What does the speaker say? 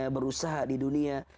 berusaha di dunia